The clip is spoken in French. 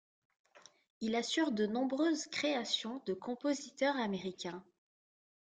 Il assure de nombreuses créations de compositeurs américains.